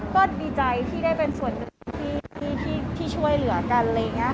ก็ดีใจที่ได้เป็นส่วนหนึ่งที่ช่วยเหลือกัน